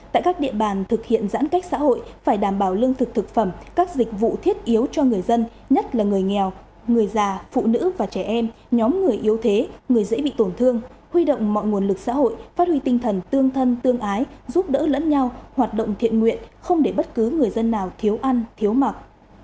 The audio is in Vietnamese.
tại các địa bàn thực hiện giãn cách xã hội phải đảm bảo lương thực thực phẩm các dịch vụ thiết yếu cho người dân nhất là người nghèo người già phụ nữ và trẻ em nhóm người yếu thế người dễ bị tổn thương huy động mọi nguồn lực xã hội phát huy tinh thần tương thân tương ái giúp đỡ lẫn nhau hoạt động thiện nguyện không để bất cứ người dân nào thiếu ăn thiếu mặc